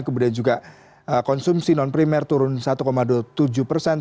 kemudian juga konsumsi non primer turun satu dua puluh tujuh persen